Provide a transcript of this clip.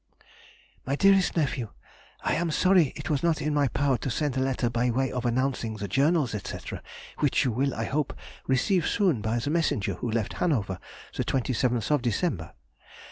MY DEAREST NEPHEW,— I am sorry it was not in my power to send a letter by way of announcing the Journals, &c., which you will, I hope, receive soon by the messenger who left Hanover the 27th of December.